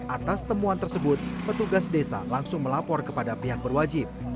atas temuan tersebut petugas desa langsung melapor kepada pihak berwajib